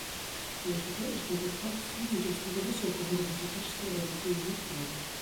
Считаю, что этот факт свидетельствует о высоком уровне технического развития Японии.